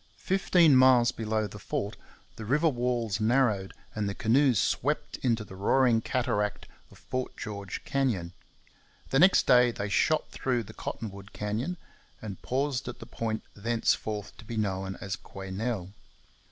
] Fifteen miles below the fort the river walls narrowed and the canoes swept into the roaring cataract of Fort George canyon. The next day they shot through the Cottonwood canyon, and paused at the point thenceforth to be known as Quesnel.